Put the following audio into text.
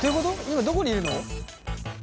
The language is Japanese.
今どこにいるの？